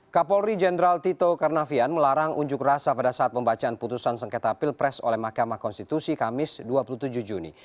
kapolri jenderal tito karnavian melarang unjuk rasa pada saat pembacaan putusan sengketa pilpres oleh mahkamah konstitusi kamis dua puluh tujuh juni